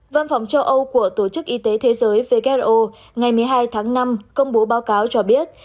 văn phòng châu âu của tổ chức y tế thế giới who ngày một mươi hai tháng năm công bố báo cáo cho biết